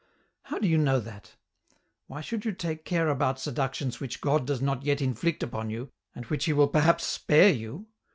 How do you know that ? why should you take care about seductions which God does not yet inflict upon you, and which He will perhaps spare you